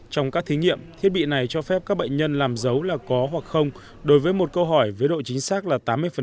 trong các thí nghiệm thiết bị này cho phép các bệnh nhân làm dấu là có hoặc không đối với một câu hỏi với độ chính xác là tám mươi